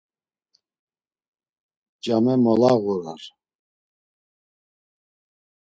Came molağurar.